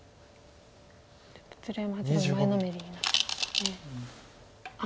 ちょっと鶴山八段前のめりになってますね。